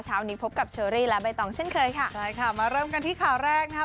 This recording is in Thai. เช้านี้พบกับเชอรี่และใบตองเช่นเคยค่ะใช่ค่ะมาเริ่มกันที่ข่าวแรกนะครับ